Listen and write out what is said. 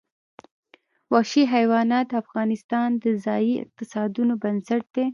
وحشي حیوانات د افغانستان د ځایي اقتصادونو بنسټ دی.